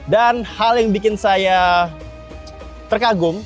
dan hal yang bikin saya terkagum